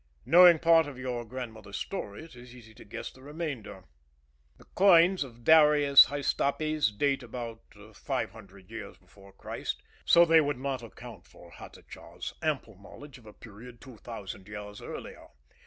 Knowing part of your grandmother's story, it is easy to guess the remainder. The coins of Darius Hystaspes date about five hundred years before Christ, so that they would not account for Hatatcha's ample knowledge of a period two thousand years earlier.